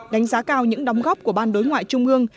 đánh giá cao những đóng góp của ban đối ngoại trung ương